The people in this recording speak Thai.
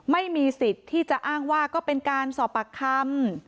ไม่มีสิทธิ์ที่จะอ้างว่าก็เป็นการสอบปากคำ